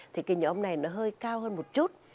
thì cái nhóm này nó hơi cao hơn một chút